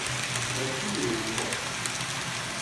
Da biv eo homañ ?